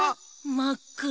まっくら。